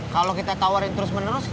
kalau kita tawarin terus menerus